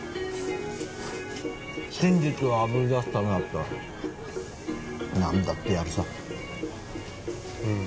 真実をあぶり出すためだったら何だってやるさふーん